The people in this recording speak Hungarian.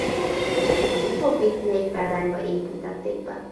Az utóbbit négy példányba építették be.